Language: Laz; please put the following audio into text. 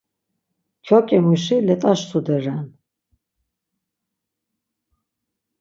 Kyoǩimuşi let̆aş tude ren.